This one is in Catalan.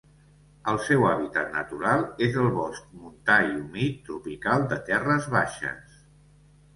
El seu hàbitat natural és el bosc montà i humit tropical de terres baixes.